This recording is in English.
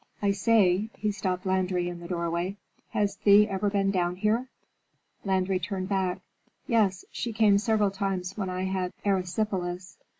I say," he stopped Landry in the doorway, "has Thea ever been down here?" Landry turned back. "Yes. She came several times when I had erysipelas.